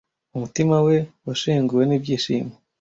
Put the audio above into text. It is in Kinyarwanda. Umutima we washenguwe n'ibyishimo.